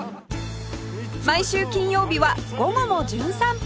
毎週金曜日は『午後もじゅん散歩』